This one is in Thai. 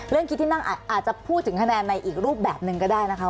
คิดที่นั่งอาจจะพูดถึงคะแนนในอีกรูปแบบหนึ่งก็ได้นะคะ